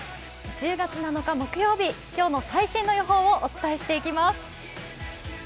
１０月７日木曜日、今日の最新の予報をお伝えします。